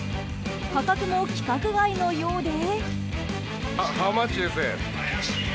価格も規格外のようで。